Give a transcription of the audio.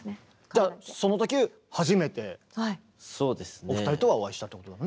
じゃあそのとき初めてお二人とはお会いしたってことだね。